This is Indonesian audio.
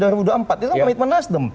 itu kan komitmen nasdem